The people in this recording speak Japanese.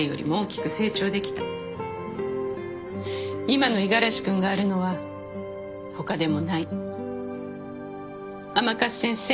今の五十嵐君があるのは他でもない甘春先生